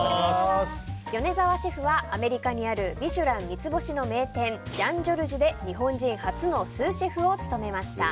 米澤シェフはアメリカにある「ミシュラン」三つ星の名店ジャン・ジョルジュで日本人初のスーシェフを務めました。